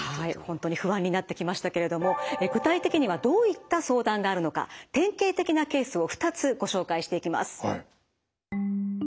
本当に不安になってきましたけれども具体的にはどういった相談があるのか典型的なケースを２つご紹介していきます。